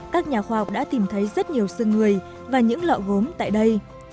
các nhà khoa học đã tìm thấy rất nhiều xương người và những lọ gốm tại đây